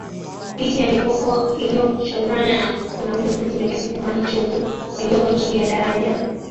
Miti ya Mikoko ilivyoshonana na kunawiri vizuri katika maji chumvi yaliyoko chini ya daraja